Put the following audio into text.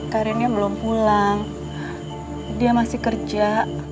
karirnya belum pulang dia masih kerja